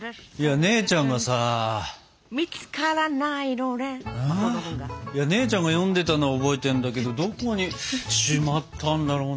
姉ちゃんが読んでたのは覚えてんだけどどこにしまったんだろうな。